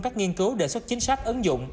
các nghiên cứu đề xuất chính sách ứng dụng